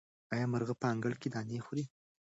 آیا مرغۍ په انګړ کې دانې خوري؟